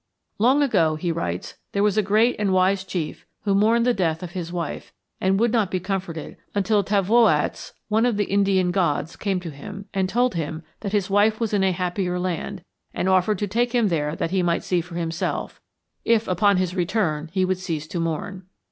"Long ago," he writes, "there was a great and wise chief who mourned the death of his wife, and would not be comforted until Tavwoats, one of the Indian gods, came to him and told him his wife was in a happier land, and offered to take him there that he might see for himself, if, upon his return, he would cease to mourn.